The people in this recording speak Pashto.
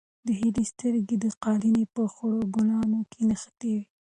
د هیلې سترګې د قالینې په خړو ګلانو کې نښتې وې.